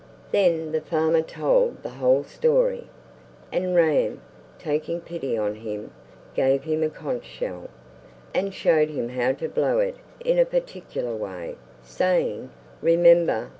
Then the farmer told the whole story, and Rain, taking pity on him, gave him a conch shell, and showed him how to blow it in a particular way, saying, "Remember!